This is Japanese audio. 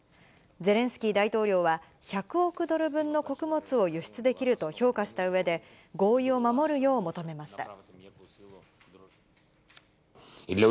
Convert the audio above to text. ゼレンスキー大統領は、１００億ドル分の穀物を輸出できると評価したうえで、合意を守るよう求めました。